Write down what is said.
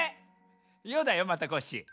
「よ」だよまたコッシー。